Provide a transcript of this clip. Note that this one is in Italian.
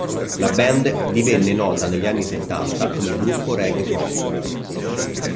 La band divenne nota negli anni settanta come gruppo reggae pop.